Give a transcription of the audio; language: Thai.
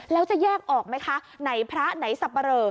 แล้วจะแยกออกไหมคะไหนพระไหนสับปะเรอ